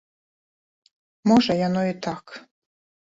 Можа, яно і так.